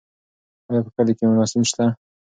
ایا په کلي کې مېلمستون شته؟